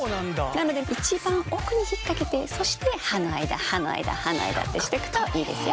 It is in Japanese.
なので一番奥に引っ掛けてそして歯の間歯の間歯の間ってしてくといいですよ。